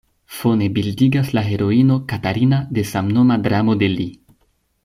Fone bildigas la heroino "Katarina" de samnoma dramo de li.